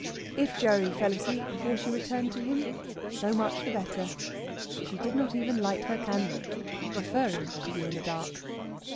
If Gerry fell asleep before she returned to him so much the better! She did not even light her candle, preferring to be in the dark.